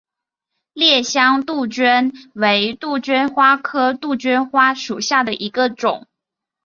烈香杜鹃为杜鹃花科杜鹃花属下的一个种。